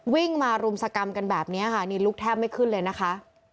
วิ่งมารุมสกรรมกันแบบนี้ค่ะนี่ลุกแทบไม่ขึ้นเลยนะคะ